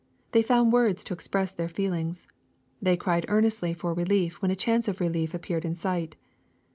They found words to express their feelings. They cried earnestly for relief when a chance of relief appeared in sight.